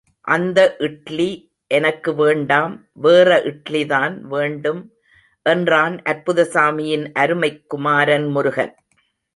அந்த இட்லி எனக்கு வேண்டாம் வேற இட்லிதான் வேண்டும் என்றான் அற்புதசாமியின் அருமைக் குமாரன் முருகன்.